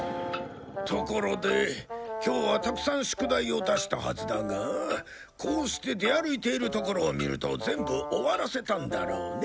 ところで今日はたくさん宿題を出したはずだがこうして出歩いているところを見ると全部終わらせたんだろうね？